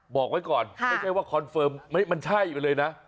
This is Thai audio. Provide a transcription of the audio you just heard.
บอกไว้ก่อนไม่ใช่ว่าคอนเฟิร์มมันใช่ไปเลยนะ